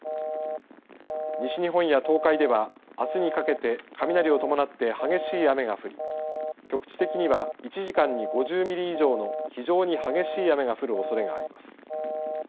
西日本や東海ではあすにかけて雷を伴って激しい雨が降り局地的には１時間に５０ミリ以上の非常に激しい雨が降るおそれがあります。